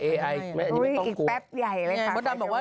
อันนี้ไม่ต้องกลัวอื้ออุ้ยอีกแป๊บใหญ่ว่ะไงบ๊อตดัมบอกว่า